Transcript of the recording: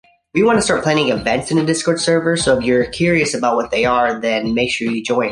Durante una exposición de su poder, uno de los asistentes murió.